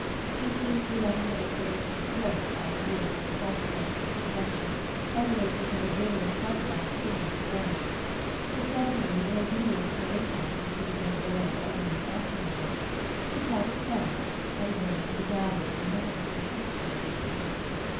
She seemed to be letting her inclination float as it would on the cross currents of suggestion emanating from the brilliant complex scene before her; but suddenly, in obedience to an impulse that she became aware of only in acting on it, she called a cab and drove to the gallery where her husband's pictures were exhibited.